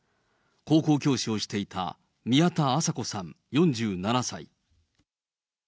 高校教師をしていた宮田麻子さん４７歳。